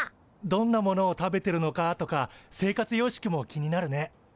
どんなものを食べてるのかとか生活様式も気になるね。